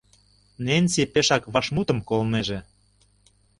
— Ненси пешак вашмутым колнеже.